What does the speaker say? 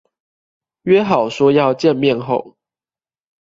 約好說要見面後